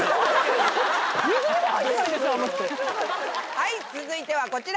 はい続いてはこちら。